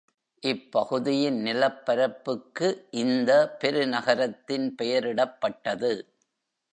இப்பகுதியின் நிலப்பரப்புக்கு இந்த பெருநகரத்தின் பெயரிடப்பட்டது.